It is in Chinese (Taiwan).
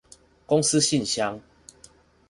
公司信箱